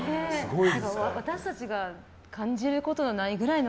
私たちが感じることがないくらいの。